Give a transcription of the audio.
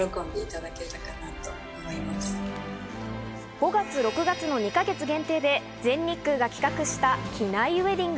５月、６月の２か月限定で全日空が企画した機内ウエディング。